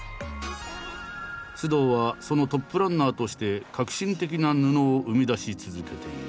須藤はそのトップランナーとして革新的な布を生み出し続けている。